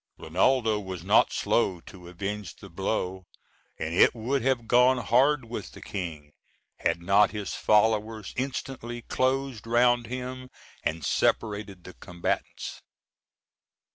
Rinaldo was not slow to avenge the blow, and it would have gone hard with the king had not his followers instantly closed round him and separated the combatants.